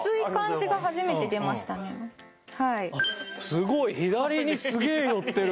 すごい左にすげえ寄ってる。